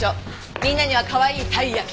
みんなにはかわいいたい焼き。